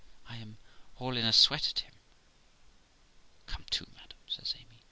I am all in a sweat at him.' ' Come to, madam ?' says Amy.